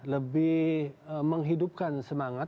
lebih menghidupkan semangat